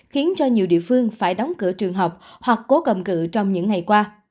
khiến cho nhiều địa phương phải đóng cửa trường học hoặc cố cầm cự trong những ngày qua